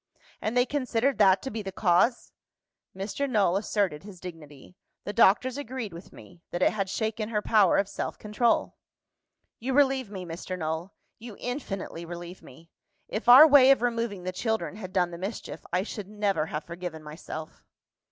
"And they considered that to be the cause ?" Mr. Null asserted his dignity. "The doctors agreed with Me, that it had shaken her power of self control." "You relieve me, Mr. Null you infinitely relieve me! If our way of removing the children had done the mischief, I should never have forgiven myself."